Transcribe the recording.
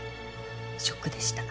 ショックでした。